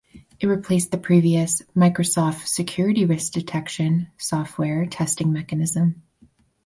It replaced the previous "Microsoft Security Risk Detection" software testing mechanism.